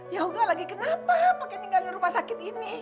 yoga lagi kenapa pake ninggalin rumah sakit ini